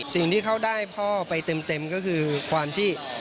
สิ่งที่เขาได้พ่อไปเต็มก็คือความที่